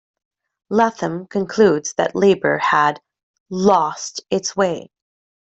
Latham concludes that Labor had "lost its way".